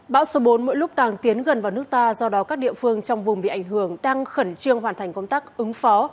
bão số bốn mỗi lúc càng tiến gần vào nước ta do đó các địa phương trong vùng bị ảnh hưởng đang khẩn trương hoàn thành công tác ứng phó